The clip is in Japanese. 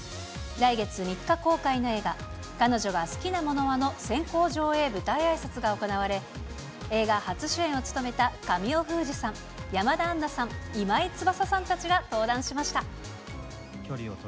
来月３日公開の映画、彼女が好きなものはの先行上映舞台あいさつが行われ、映画初主演を務めた、神尾楓珠さん、山田杏奈さん、今井翼さんたちが登壇しました。